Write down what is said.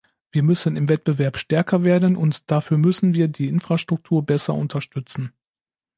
Wir müssen im Wettbewerb stärker werden, und dafür müssen wir die Infrastruktur besser unterstützen.